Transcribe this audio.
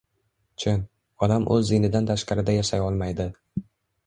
Chin, odam o‘z dinidan tashqarida yashay olmaydi.